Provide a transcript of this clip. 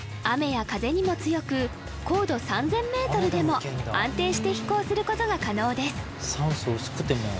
雨や風にも強く高度３０００メートルでも安定して飛行することが可能です